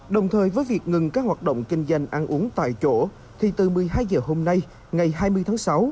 đồng thời với việc ngừng các hoạt động kinh doanh ăn uống tại chỗ thì từ một mươi hai h hôm nay ngày hai mươi tháng sáu